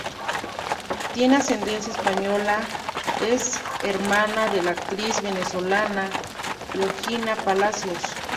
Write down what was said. Tiene ascendencia española Es hermana de la actriz venezolana Georgina Palacios.